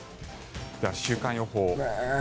では週間予報。